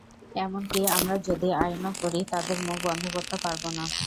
এমনকি আমরা যদি আইনও করি, তাদের মুখ বন্ধ করতে পারব না।